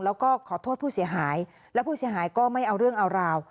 แล้วก็ขอโทษผู้เสียหายและผู้เสียหายก็ไม่เอาเรื่องเอาราว